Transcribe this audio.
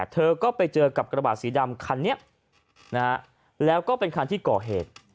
เธอก็ไปเจอกับกระบาดสีดำคันนี้แล้วก็เป็นคันที่ก่อเหตุ